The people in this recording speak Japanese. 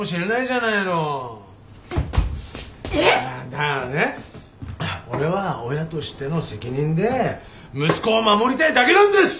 だからね俺は親としての責任で息子を守りたいだけなんです！